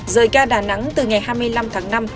rời ca đà nẵng từ ngày hai mươi năm tháng năm